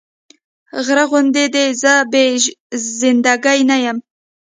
غره غوندې دې زه بې زنده ګي نه يم